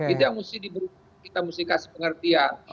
itu yang mesti diberikan kita mesti kasih pengertian